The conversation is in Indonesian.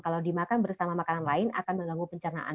kalau dimakan bersama makanan lain akan mengganggu pencernaan